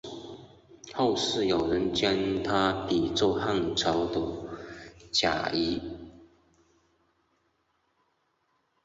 后世有人将他比作汉朝的贾谊。